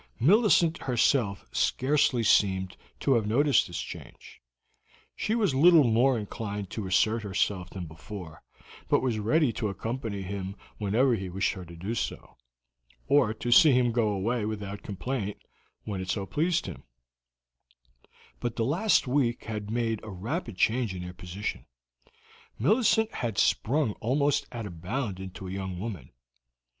Millicent herself scarcely seemed to have noticed this change. She was little more inclined to assert herself than before, but was ready to accompany him whenever he wished her to do so, or to see him go away without complaint, when it so pleased him; but the last week had made a rapid change in their position. Millicent had sprung almost at a bound into a young woman.